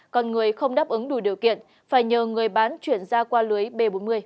còn người không đáp ứng đủ điều kiện phải nhờ người bán chuyển ra qua lưới b bốn mươi